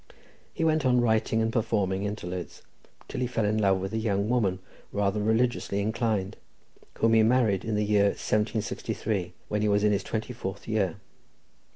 He went on writing and performing interludes till he fell in love with a young woman rather religiously inclined, whom he married in the year 1763, when he was in his twenty fourth year.